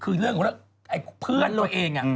คือเรื่องของเพื่อนตัวเอง